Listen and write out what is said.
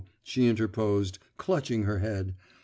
she interposed, clutching her head.